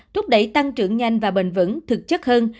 thúc đẩy tăng trưởng nhanh và bền vững thực chất hơn